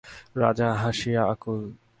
রাজা হাসিয়া আকুল।